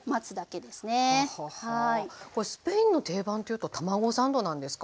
これスペインの定番というと卵サンドなんですか？